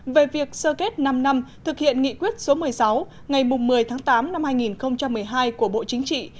về việc sơ kết năm năm thực hiện nghị quyết số một mươi sáu ngày một mươi tháng tám năm hai nghìn một mươi hai của bộ chính trị